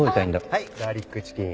はいガーリックチキン。